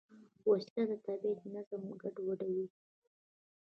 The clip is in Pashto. وسله د طبیعت نظم ګډوډوي